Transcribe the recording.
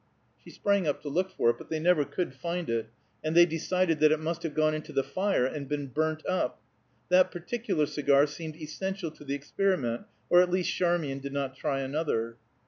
She sprang up to look for it, but they never could find it, and they decided it must have gone into the fire, and been burnt up; that particular cigar seemed essential to the experiment, or at least Charmian did not try another.